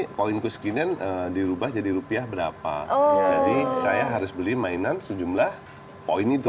zapoinku seginian dirubah jadi rupiah berapa jadi saya harus beli mainan sejumlah poin itu